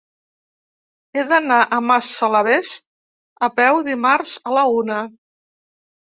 He d'anar a Massalavés a peu dimarts a la una.